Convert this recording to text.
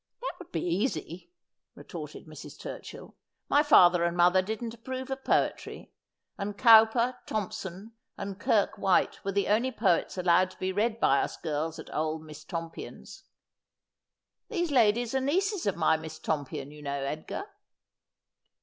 ' That would be easy,' retorted Mrs. Turchill. ' My father and mother didn't approve of poetry, and Cowper, Thomson, and Kirke White were the only poets allowed to be read by us girls at old Miss Tompion's — these ladies are nieces of my Miss Tompion, you know, Edgar.'